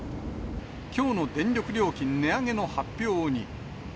きょうの電力料金値上げの発表に。